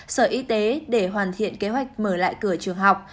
sở y tế để hoàn thiện kế hoạch mở lại cửa trường học